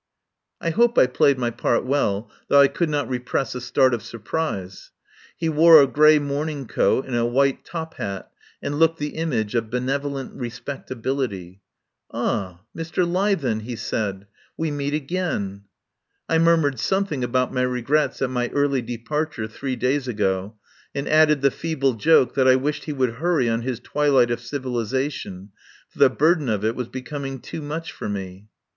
I hope I played my part well, though I could not repress a start of surprise. He wore a grey morning coat and a white top hat and looked the image of benevolent respectability. "Ah, Mr. Leithen," he said, "we meet again." I murmured something about my regrets at my early departure three days ago, and added the feeble joke that I wished he would hurry on his Twilight of Civilisation, for the burden of it was becoming too much for me.